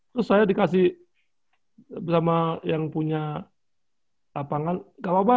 terus saya dikasih bersama yang punya lapangan gak apa apa